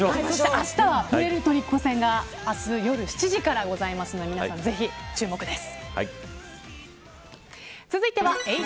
明日はプエルトリコ戦が夜７時からありますので皆さん注目です。